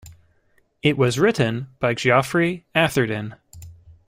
It was written by Geoffrey Atherden.